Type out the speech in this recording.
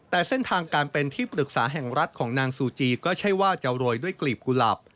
แต่เส้นทางการเป็นที่ปรึกษาแห่งรัฐของนางซูจีก็ใช่ว่าจะโรยด้วยกลีบกุหลับ